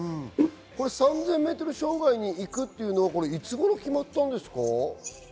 ３０００ｍ障害に行くというのはいつごろ決まったんですか？